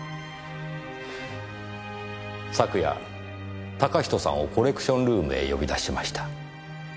昨夜嵩人さんをコレクションルームへ呼び出しました。